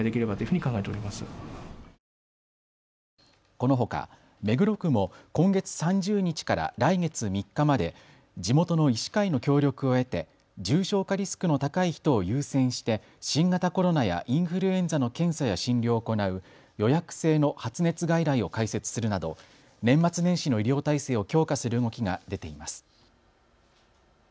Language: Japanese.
このほか目黒区も今月３０日から来月３日まで地元の医師会の協力を得て重症化リスクの高い人を優先して新型コロナやインフルエンザの検査や診療を行う予約制の発熱外来を開設するなど年末年始の医療体制を強化する動きが出ています。